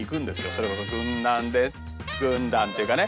それこそ軍団で軍団っていうかね。